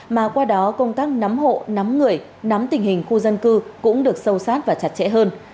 mà qua đó công tác nắm hộ nắm người nắm tình hình khu dân cư cũng được sâu sát và chặt chẽ hơn